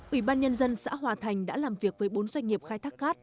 ủy ban nhân dân xã hòa thành đã làm việc với bốn doanh nghiệp khai thác cát